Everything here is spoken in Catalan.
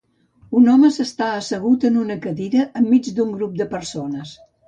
Un home s'està assegut en una cadira enmig d'un grup de persones.